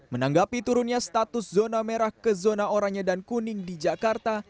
menanggapi turunnya status zona merah ke zona oranye dan kuning di jakarta